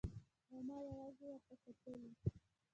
او ما يوازې ورته کتلای.